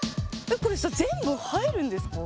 これさ全部入るんですか？